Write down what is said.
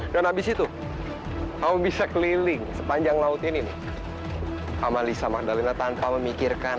dan setelah itu kamu bisa keliling sepanjang laut ini sama lisa magdalena tanpa memikirkan